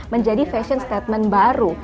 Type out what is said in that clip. menjadi fashion statement baru